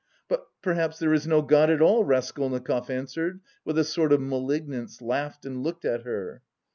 "But, perhaps, there is no God at all," Raskolnikov answered with a sort of malignance, laughed and looked at her.